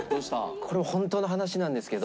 これ本当の話なんですけど。